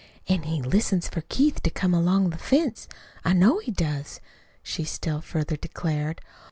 "An' he listens for Keith to come along the fence I know he does," she still further declared.